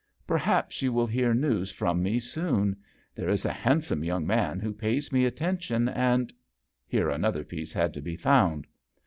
" Per haps you will hear news from me soon. There is a handsome young man who pays me atten tion, and " Here another piece had to be found.